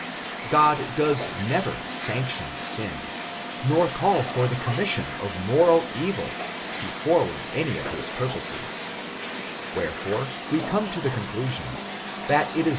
God does never sanction sin, nor call for the com mission of moral evil to forward any of his purposes; wherefore we come to the conclusion, that it is not ' «^^^k^W^^N^H^^k^%# ■